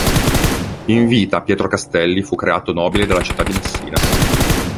In vita Pietro Castelli fu creato nobile dalla città di Messina.